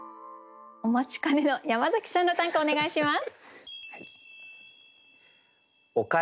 お待ちかねの山崎さんの短歌お願いします。